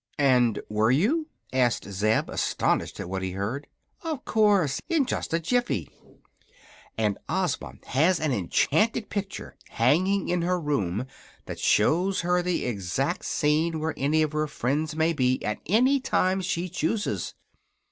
"And were you?" asked Zeb, astonished at what he heard. "Of course; in just a jiffy. And Ozma has an enchanted picture hanging in her room that shows her the exact scene where any of her friends may be, at any time she chooses.